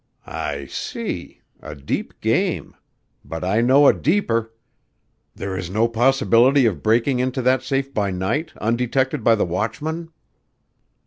"I see. A deep game. But I know a deeper. There is no possibility of breaking into that safe by night, undetected by the watchman?"